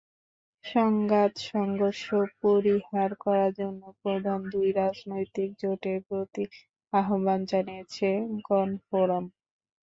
সংঘাত-সংঘর্ষ পরিহার করার জন্য প্রধান দুই রাজনৈতিক জোটের প্রতি আহ্বান জানিয়েছে গণফোরাম।